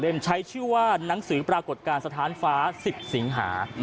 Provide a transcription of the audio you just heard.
๕๐๐๐๐เล่มใช้ชื่อว่านังสือปรากฏการณ์สถานฟ้า๑๐สิงหา